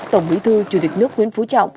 tổng bí thư chủ tịch nước nguyễn phú trọng